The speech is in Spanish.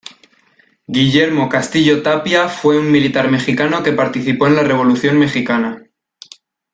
Guillermo Castillo Tapia fue un militar mexicano que participó en la Revolución mexicana.